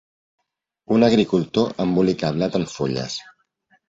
Un agricultor embolica blat en fulles.